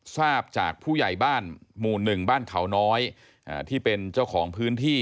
ทราบจากผู้ใหญ่บ้านหมู่หนึ่งบ้านเขาน้อยที่เป็นเจ้าของพื้นที่